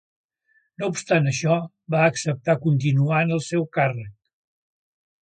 No obstant això, va acceptar continuar en el seu càrrec.